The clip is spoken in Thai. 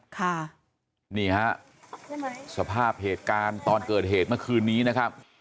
ค่ะนี่ฮะสภาพเหตุการณ์ตอนเกิดเหตุเมื่อคืนนี้นะครับ